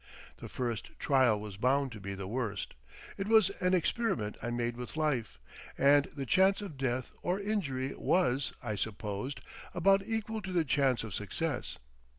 The first trial was bound to be the worst; it was an experiment I made with life, and the chance of death or injury was, I supposed, about equal to the chance of success.